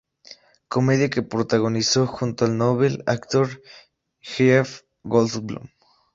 Comedia que protagonizó junto al novel actor Jeff Goldblum.